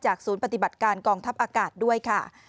ศูนย์ปฏิบัติการกองทัพอากาศด้วยค่ะ